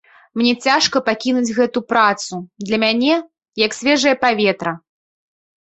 Мне цяжка пакінуць гэту працу, для мяне як свежае паветра.